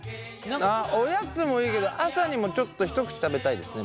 おやつもいいけど朝にもちょっと一口食べたいですね